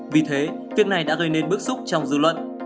vì thế việc này đã gây nên bức xúc trong dư luận